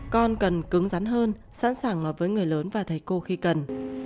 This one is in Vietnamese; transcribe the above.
con cần cứng rắn hơn sẵn sàng họp với người lớn và thầy cô khi cần